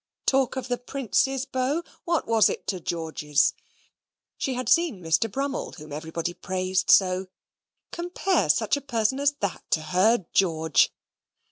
Talk of the Prince's bow! what was it to George's? She had seen Mr. Brummell, whom everybody praised so. Compare such a person as that to her George!